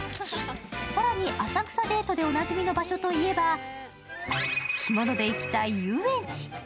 更に、浅草デートでおなじみの場所といえば、着物で行きたい遊園地。